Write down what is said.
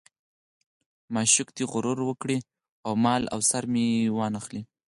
معشوق دې غرور وکړي او مال او سر مې وانه خلي.